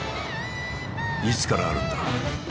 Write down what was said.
いつからあるんだ？